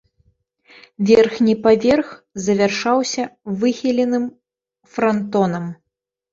Верхні паверх завяршаўся выхіленым франтонам.